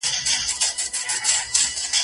ستا سره به وچ خزان وهلی بوستان څه کوي